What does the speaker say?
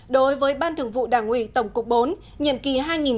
đối với ban thường vụ đảng ủy tổng cục bốn nhiệm kỳ hai nghìn một mươi năm hai nghìn hai mươi